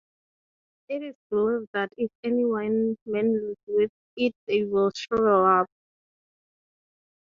It is believed that if anyone meddles with it they will shrivel up.